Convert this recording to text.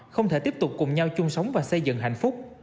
không thể tiếp tục cùng nhau chung sống và xây dựng hạnh phúc